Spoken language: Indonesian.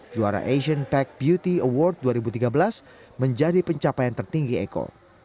juara asian pack beauty award dua ribu tiga belas menjadi pencapaian tertinggi eko